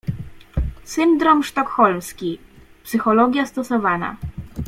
Syndrom sztokholmski, psychologia stosowana.